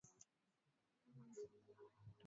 Tia hamira kwenye maji ya uvuguvugu